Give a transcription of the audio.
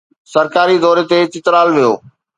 سرڪاري دوري تي چترال ويو